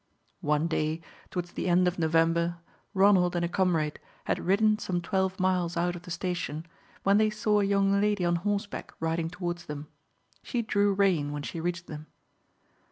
One day, towards the end of November, Ronald and a comrade had ridden some twelve miles out of the station, when they saw a young lady on horseback riding towards them. She drew rein when she reached them.